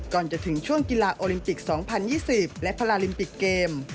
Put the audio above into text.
ก่อนจะถึงช่วงกีฬาโอลิมปิก๒๐๒๐และพาราลิมปิกเกม